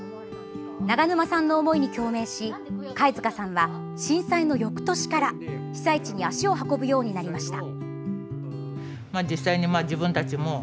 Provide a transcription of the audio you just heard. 長沼さんの思いに共鳴し貝塚さんは、震災のよくとしから被災地に足を運ぶようになりました。